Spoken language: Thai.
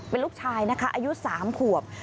เป็นลูกชายนะคะอายุ๓ขวบ